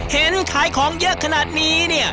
เห็นขายของเยอะขนาดนี้เนี่ย